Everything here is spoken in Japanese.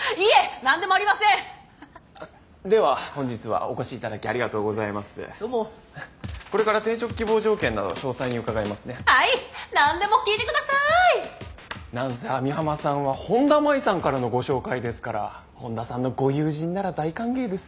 何せ網浜さんは本田麻衣さんからのご紹介ですから本田さんのご友人なら大歓迎ですよ！